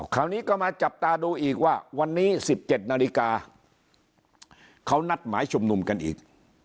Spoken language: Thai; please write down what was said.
คราวนี้ก็มาจับตาดูอีกว่าวันนี้๑๗นาฬิกาเขานัดหมายชุมนุมกันอีก